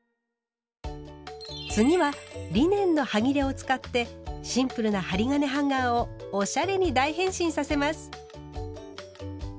次はリネンのはぎれを使ってシンプルな針金ハンガーをおしゃれに大変身させます。